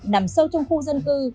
nằm sâu trong khu dân cư